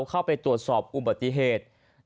เข้าไปตรวจสอบอุบัติเหตุ